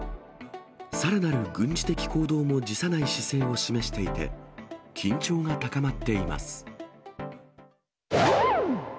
さらなる軍事的行動も辞さない姿勢を示していて、緊張が高まっています。